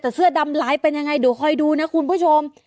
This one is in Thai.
แต่เสื้อดำลายเป็นยังไงเดี๋ยวคอยดูนะคุณผู้ชม